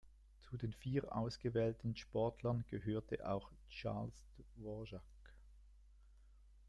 Zu den vier ausgewählten Sportlern gehörte auch Charles Dvorak.